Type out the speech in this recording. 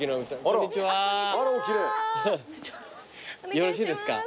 よろしいですか？